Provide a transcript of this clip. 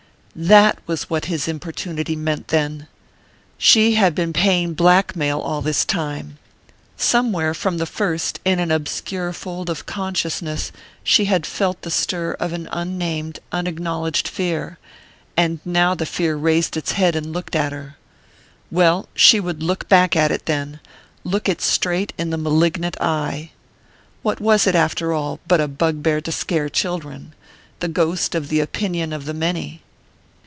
"_ That was what his importunity meant, then! She had been paying blackmail all this time.... Somewhere, from the first, in an obscure fold of consciousness, she had felt the stir of an unnamed, unacknowledged fear; and now the fear raised its head and looked at her. Well! She would look back at it, then: look it straight in the malignant eye. What was it, after all, but a "bugbear to scare children" the ghost of the opinion of the many?